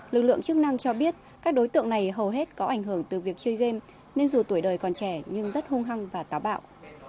lực lượng chức năng cho biết các đối tượng này hầu hết có ảnh hưởng từ việc chơi game nên dù tuổi đời còn trẻ nhưng rất hung hăng và táo bạo